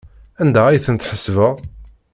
Anda ay tent-tḥesbeḍ?